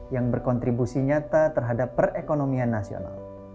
yang berkontribusi nyata terhadap perekonomian nasional